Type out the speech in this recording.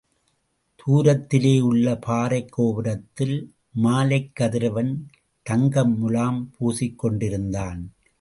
தூரத்திலே உள்ள பாறைக் கோபுரத்தில் மாலைக் கதிரவன் தங்க முலாம் பூசிக் கொண்டிருந்தான்.